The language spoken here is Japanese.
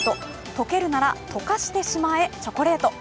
溶けるなら溶かしてしまえチョコレート。